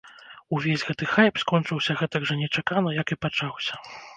Увесь гэты хайп скончыўся гэтак жа нечакана, як і пачаўся.